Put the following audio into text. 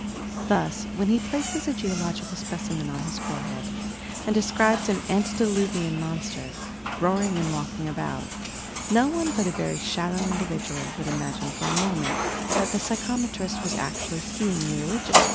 Thus, when he places a geological specimen on his forehead and describes an "antediluvian monster," roaring and walking about, no one but a very shallow individual would imagine for a moment that the psychometrist was actually seeing the original